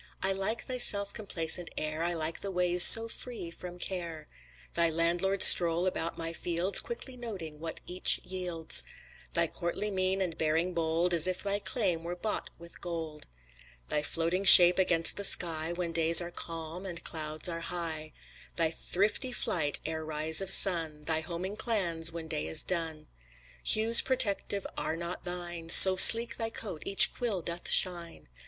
I like thy self complacent air, I like thy ways so free from care, Thy landlord stroll about my fields, Quickly noting what each yields; Thy courtly mien and bearing bold, As if thy claim were bought with gold; Thy floating shape against the sky, When days are calm and clouds are high; Thy thrifty flight ere rise of sun, Thy homing clans when day is done. Hues protective are not thine, So sleek thy coat each quill doth shine.